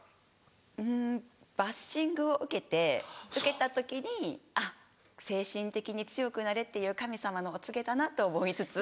うんバッシングを受けて受けた時にあっ精神的に強くなれっていう神様のお告げだなと思いつつ。